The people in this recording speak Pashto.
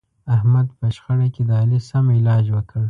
احمد په شخړه کې د علي سم علاج وکړ.